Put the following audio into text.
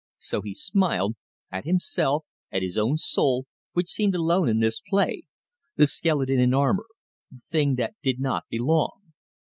So he smiled at himself, at his own soul, which seemed alone in this play, the skeleton in armour, the thing that did not belong.